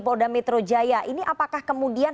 polda metro jaya ini apakah kemudian